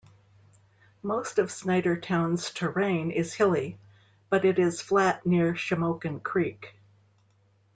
Most of Snydertown's terrain is hilly, but it is flat near Shamokin Creek.